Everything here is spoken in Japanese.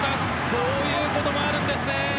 こういうこともあるんですね。